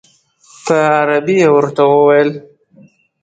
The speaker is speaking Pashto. په عربي یې ورته وویل.